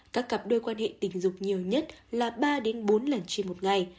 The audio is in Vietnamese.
các cặp đôi quan hệ tình dục nhiều nhất là ba bốn lần trên một ngày